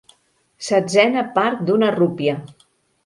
Setzena part d'una rúpia.